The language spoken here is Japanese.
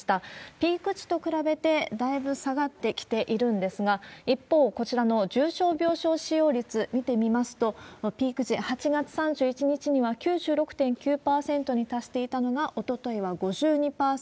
ピーク時と比べてだいぶ下がってきているんですが、一方、こちらの重症病床使用率見てみますと、ピーク時、８月３１日には９６．９％に達していたのが、おとといは５２％。